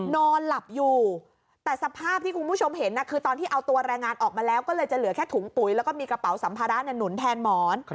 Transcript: นอนหลับอยู่แต่สภาพที่คุณผู้ชมเห็นคือตอนที่เอาตัวแรงงานออกมาแล้วก็เลยจะเหลือแค่ถุงปุ๋ยแล้วก็มีกระเป๋าสัมภาระหนุนแทนหมอน